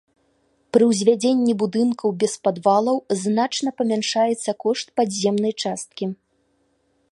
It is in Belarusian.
Пры ўзвядзенні будынкаў без падвалаў значна памяншаецца кошт падземнай часткі.